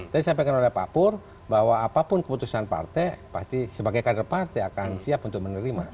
tadi sampaikan oleh pak pur bahwa apapun keputusan partai pasti sebagai kader partai akan siap untuk menerima